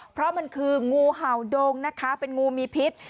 เพราะมันคืองูเห่าดงนะคะเป็นงูมีพิษ